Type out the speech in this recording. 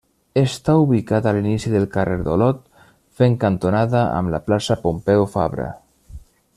Està ubicat a l'inici del carrer d'Olot, fent cantonada amb la plaça Pompeu Fabra.